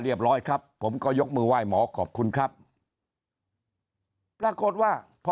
ร้อยครับผมก็ยกมือไหว้หมอขอบคุณครับปรากฏว่าพอ